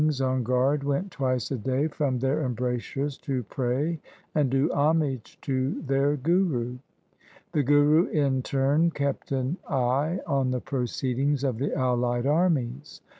172 THE SIKH RELIGION guard went twice a day from their embrasures to pray and do homage to their Guru. The Guru in turn kept an eye on the proceedings of the allied armies.